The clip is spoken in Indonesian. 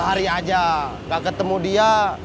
sehari aja nggak ketemu dia